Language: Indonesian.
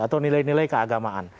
atau nilai nilai keagamaan